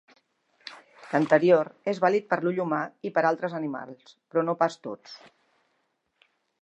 L'anterior és vàlid per l'ull humà i per altres animals però no pas tots.